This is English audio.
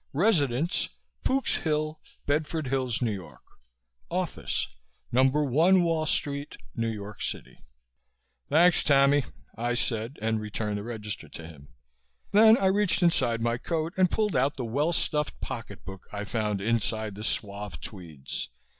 Residence: "Pook's Hill," Bedford Hills, N.Y. Office: No. 1 Wall Street, N.Y.C. "Thanks, Tammy," I said and returned the register to him. Then I reached inside my coat and pulled out the well stuffed pocket book I found inside the suave tweeds.